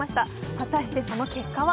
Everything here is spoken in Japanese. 果たしてその結果は？